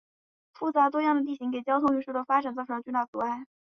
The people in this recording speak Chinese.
复杂多样的地形给交通运输的发展造成了巨大阻碍。